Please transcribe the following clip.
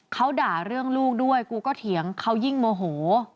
เขาด่าเรื่องลูกด้วยกูก็เถียงเขายิ่งโมโห